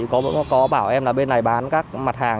có bảo em là bên này bán các mặt hàng